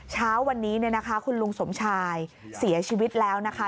เช้าวันนี้คุณลุงสมชายเสียชีวิตแล้วนะคะ